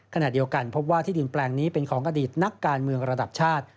ขณะเดียวกันพบว่าที่ดินแปลงนี้เป็นของกระดิษฐ์นักการเมืองระดับชาติ